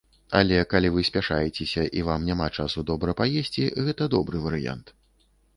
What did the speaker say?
Але, калі вы спяшаецеся і вам няма часу добра паесці, гэта добры варыянт.